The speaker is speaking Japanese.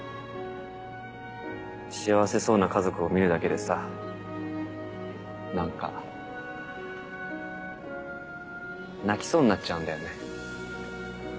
幸せそうな家族を見るだけでさなんか泣きそうになっちゃうんだよね。